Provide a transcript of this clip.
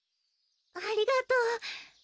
ありがとう。